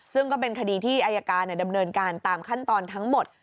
ซึ่งก็เป็นคดีที่อายการดำเนินการตามขั้นตอนทั้งหมด